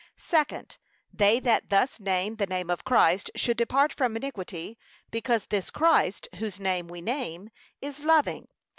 Second, They that thus name the name of Christ should depart from iniquity, because this Christ, whose name we name, is loving.